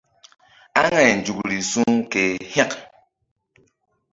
Aŋay nzukri su̧ ke hȩk.